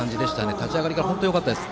立ち上がりからよかったです。